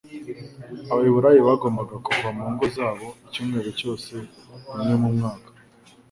Abaheburayo bagombaga kuva mu ngo zabo icyumweru cyose rimwe mu mwaka,